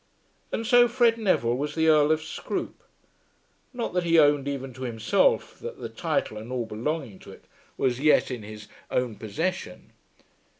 And so Fred Neville was the Earl of Scroope. Not that he owned even to himself that the title and all belonging to it were as yet in his own possession.